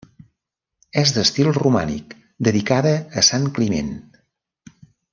És d'estil romànic, dedicada a sant Climent.